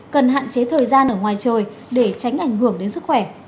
cần hạn chế thời gian ở ngoài trời để tránh ảnh hưởng đến sức khỏe